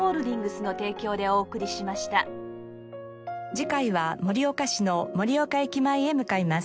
次回は盛岡市の盛岡駅前へ向かいます。